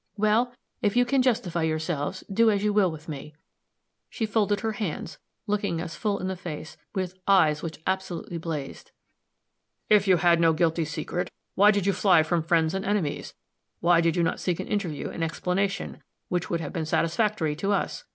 Well, if you can justify yourselves, do as you will with me!" She folded her hands, looking us full in the face with eyes which absolutely blazed. "If you had no guilty secret, why did you fly from friends and enemies? Why did you not seek an interview and explanation which would have been satisfactory to us?"